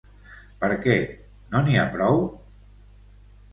Per què! - no n'hi ha prou?